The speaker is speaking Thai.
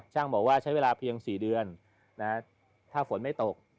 บอกว่าใช้เวลาเพียง๔เดือนถ้าฝนไม่ตก